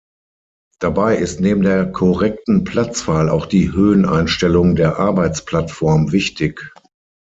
Dabei ist neben der korrekten Platzwahl auch die Höhen-Einstellung der Arbeitsplattform wichtig.